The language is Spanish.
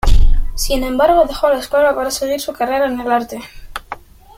Sin embargo dejó la escuela para seguir su carrera en el arte.